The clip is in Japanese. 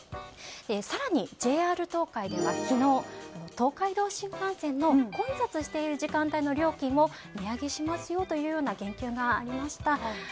更に、ＪＲ東海では昨日東海道新幹線の混雑している時間帯の料金を値上げしますよという言及がありました。